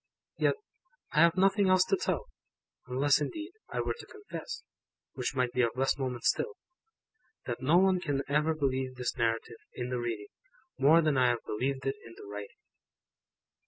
Yet, I have nothing else to tell; unless, indeed, I were to confess (which might be of less moment still) that no one can ever believe this Narrative, in the reading, more than I have believed it in the writing.